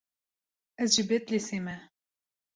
Ez ji Bedlîsê me.